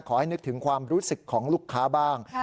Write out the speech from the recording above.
ขอให้นึกถึงความรู้สึกของลูกค้าบ้าง